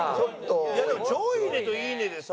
いやでも「超いいね」と「いいね」でさ